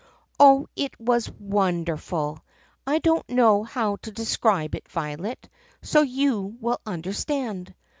Oh, it was wonderful! I don't know how to describe it, Violet, so that you will understand.